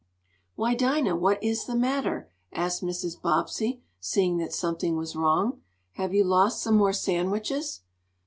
"Why, Dinah! What is the matter?" asked Mrs. Bobbsey, seeing that something was wrong. "Have you lost some more sandwiches?"